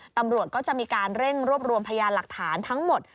ตำรวจก็จะมีการเร่งรวบรวมพยานหลักฐานทั้งหมด